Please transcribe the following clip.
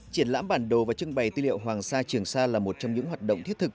triển lãm bản đồ và trưng bày tư liệu hoàng sa trường sa là một trong những hoạt động thiết thực